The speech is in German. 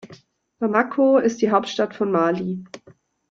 Bamako ist die Hauptstadt von Mali.